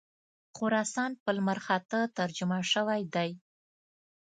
خراسان په لمرخاته ترجمه شوی دی.